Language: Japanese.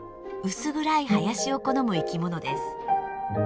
薄暗い林を好む生きものです。